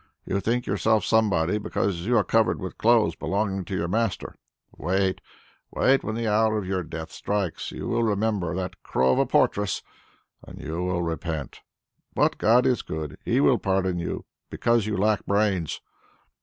You think yourself somebody because you are covered with clothes belonging to your master. Wait! Wait! when the hour of your death strikes, you will remember that 'crow of a portress,' and you will repent. But God is good; He will pardon you; because you lack brains.